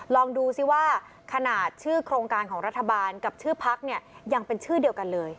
ลองดูซิว่าขนาดชื่อโครงการของรัฐบาลกับชื่อพักเนี่ยยังเป็นชื่อเดียวกันเลย